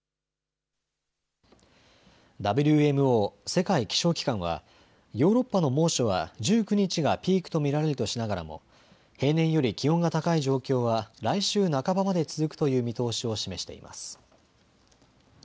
ＷＭＯ・世界気象機関はヨーロッパの猛暑は１９日がピークと見られるとしながらも平年より気温が高い状況は来週半ばまで続くという見通しを示しています。